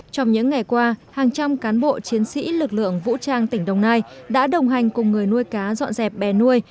trong những ngày qua hàng trăm cán bộ chiến sĩ lực lượng vũ trang tỉnh đồng nai đã đồng hành cùng người nuôi cá dọn dẹp bè nuôi